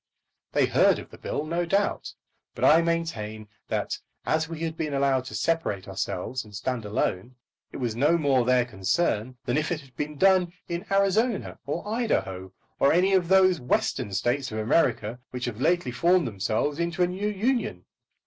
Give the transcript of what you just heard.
They heard of the bill, no doubt; but I maintain that, as we had been allowed to separate ourselves and stand alone, it was no more their concern than if it had been done in Arizona or Idaho, or any of those Western States of America which have lately formed themselves into a new union.